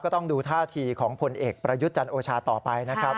ต้องดูท่าทีของผลเอกประยุทธ์จันทร์โอชาต่อไปนะครับ